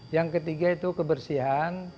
yang ketiga itu kebersihan